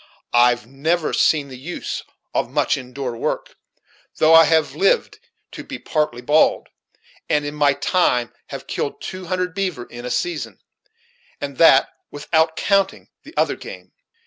I've never seen the use of much in door work, though I have lived to be partly bald, and in my time have killed two hundred beaver in a season, and that without counting the other game.